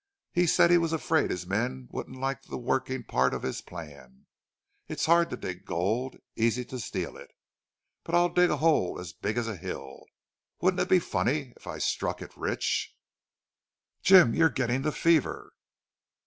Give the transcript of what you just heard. He said he was afraid his men wouldn't like the working part of his plan. It's hard to dig gold. Easy to steal it. But I'll dig a hole as big as a hill!... Wouldn't it be funny if I struck it rich?" "Jim, you're getting the fever."